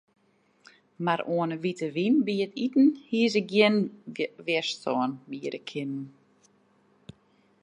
Mar oan 'e wite wyn by it iten hie se gjin wjerstân biede kinnen.